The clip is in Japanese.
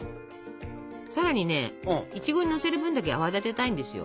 さらにねいちごにのせる分だけ泡立てたいんですよ。